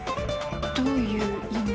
どういう意味？